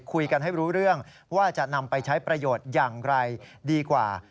คุยกันให้รู้เรื่องว่าจะนำไปใช้ประโยชน์อย่างไรดีกว่า